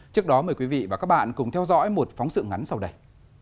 trước đó mời quý vị và các bạn cùng theo dõi một phóng sự ngắn sau đây